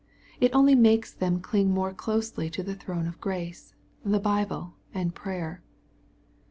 It only makes them cling more closely to the throne of grace, the Bible, and prayer.